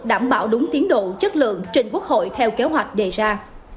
đảm bảo đúng tiến độ chất lượng trình quốc hội theo kế hoạch đề ra